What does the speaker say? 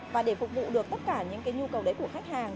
và để phục vụ được tất cả những cái nhu cầu đấy của khách hàng